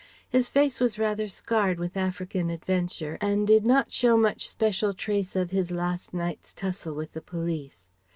His face was rather scarred with African adventure and did not show much special trace of his last night's tussle with the police.